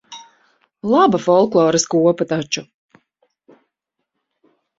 Laba folkloras kopa taču.